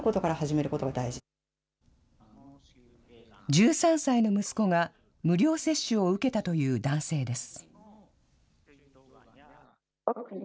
１３歳の息子が無料接種を受けたという男性です。